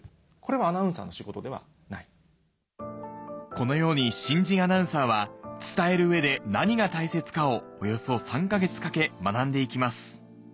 このように新人アナウンサーは伝える上で何が大切かをおよそ３か月かけ学んでいきます